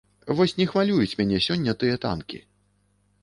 Вось не хвалююць мяне сёння тыя танкі.